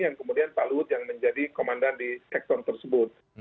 yang kemudian pak luhut yang menjadi komandan di sektor tersebut